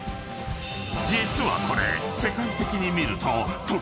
［実はこれ］